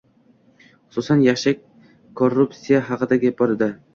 Xususan, "yaxshi" korruptsiya haqida gap bordi